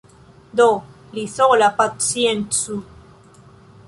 Do li sola paciencu!